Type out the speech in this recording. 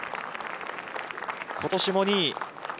今年も２位。